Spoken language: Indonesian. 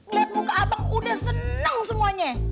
lihat muka abang udah seneng semuanya